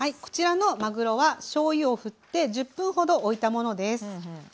こちらのまぐろはしょうゆをふって１０分ほどおいたものです。